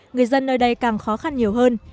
người dân nơi đây càng khó khăn nhiều hơn